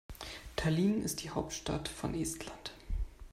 Tallinn ist die Hauptstadt von Estland.